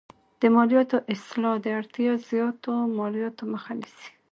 د مالیاتو اصلاح د اړتیا زیاتو مالیاتو مخه نیسي.